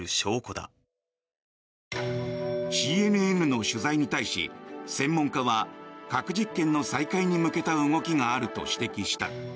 ＣＮＮの取材に対し、専門家は核実験の再開に向けた動きがあると指摘した。